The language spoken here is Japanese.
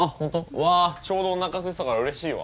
うわちょうどおなかすいてたからうれしいわ。